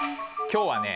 今日はね